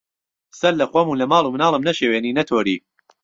سهر له خوهم و له ماڵو مناڵم نهشێوێنی، نهتۆری